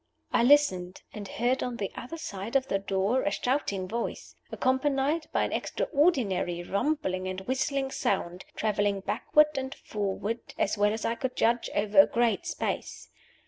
I listened, and heard on the other side of the door a shouting voice, accompanied by an extraordinary rumbling and whistling sound, traveling backward and forward, as well as I could judge, over a great space.